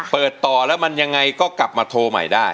เปิดต่อแล้วมันยังไงก็กลับมาโทรใหม่ได้